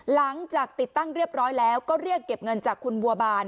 หลังจากติดตั้งเรียบร้อยแล้วก็เรียกเก็บเงินจากคุณบัวบาน